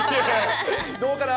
どうかな？